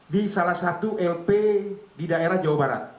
di salah satu lp di daerah jawa barat